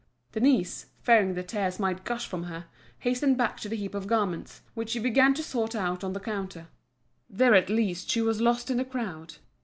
Denise, fearing the tears might gush from her, hastened back to the heap of garments, which she began to sort out on the counter. There at least she was lost in the crowd.